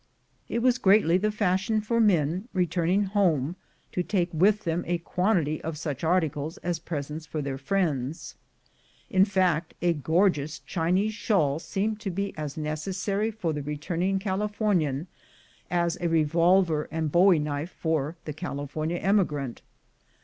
It was greatly the fashion for men, returning home, to take with them a quantity of such articles, as presents for their friends. In fact, a gorgeous Chinese shawl seemed to be as necessary for the returning Californian as a revolver and bowie knife for the California emigrant.